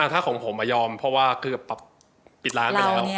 ถ้าของผมยอมเพราะว่าเกือบปิดร้านไปแล้ว